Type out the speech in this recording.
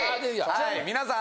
はい皆さん。